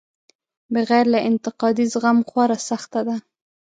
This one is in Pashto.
بغیر له انتقادي زغم خورا سخته ده.